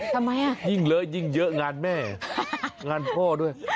ทำไมอ่ะยิ่งเลอะยิ่งเยอะงานแม่งานพ่อด้วย